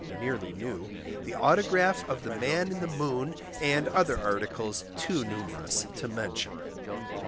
(nearly new), the Autograph of the Man in the Moon, and other articles, too numerous to mention.